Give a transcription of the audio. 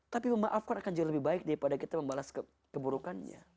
tapi memaafkan akan jauh lebih baik daripada kita membalas keburukannya